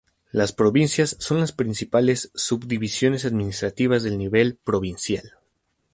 Las provincias son las principales subdivisiones administrativas del nivel provincial.